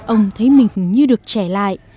ông thấy mình như được trẻ lại